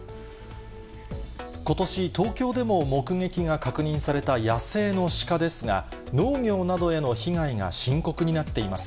ことし、東京でも目撃が確認された野生のシカですが、農業などへの被害が深刻になっています。